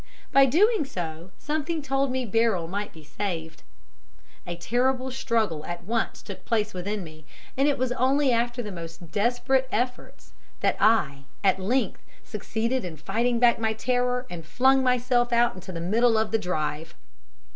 By doing so something told me Beryl might be saved. A terrible struggle at once took place within me, and it was only after the most desperate efforts that I at length succeeded in fighting back my terror and flung myself out into the middle of the drive.